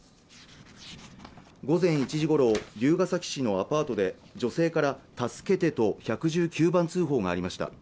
午前１時ごろ龍ケ崎市のアパートで女性から助けてと１１９番通報がありました